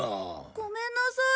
ごめんなさい。